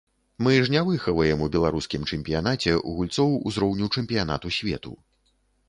Мы ж не выхаваем у беларускім чэмпіянаце гульцоў узроўню чэмпіянату свету.